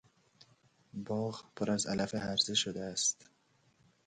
باغ پر از علف هرزه شده است.